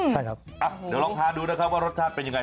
เดี๋ยวลองทานดูว่ารสชาติเป็นยังไง